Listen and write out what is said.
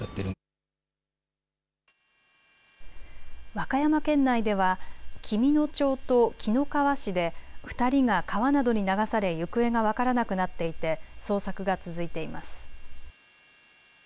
和歌山県内では紀美野町と紀の川市で２人が川などに流され行方が分からなくなっていて捜索が続いています。